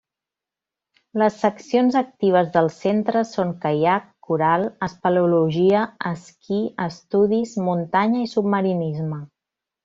Les seccions actives del Centre són Caiac, Coral, Espeleologia, Esquí, Estudis, Muntanya i Submarinisme.